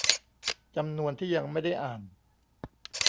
จำนวนที่ยังไม่ได้อ่าน